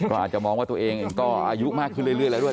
ก็อาจจะมองว่าตัวเองเองก็อายุมากขึ้นเรื่อยแล้วด้วย